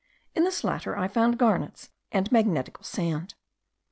In this latter I found garnets and magnetical sand.